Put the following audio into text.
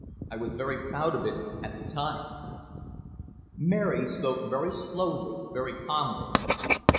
I was very proud of it at the time." Mary spoke very slowly, very calmly.